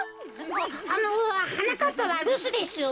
あのはなかっぱはるすですよ。